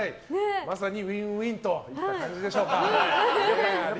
まさにウィンウィンといった感じでしょうか。